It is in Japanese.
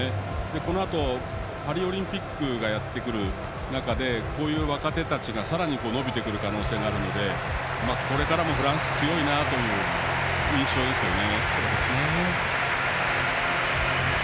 このあと、パリオリンピックがやってくる中でこういう若手たちが、さらに伸びてくる可能性があるのでこれからもフランスは強いなという印象ですね。